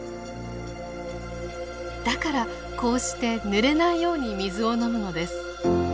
だからこうしてぬれないように水を飲むのです。